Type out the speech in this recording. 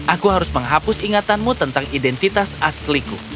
aku harus menghapus ingatanmu tentang identitas asliku